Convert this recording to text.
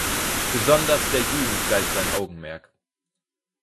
Besonders der Jugend galt sein Augenmerk.